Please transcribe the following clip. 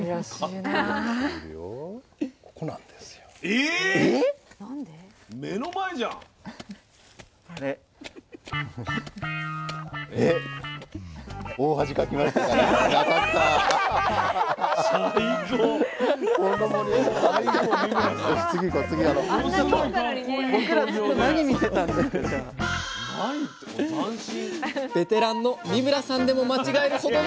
ベテランの三村さんでも間違えるほどの難しさ。